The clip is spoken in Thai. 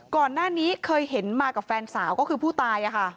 ก่อนหน้านี้เคยเห็นมากับแฟนสาวก็คือผู้ตาย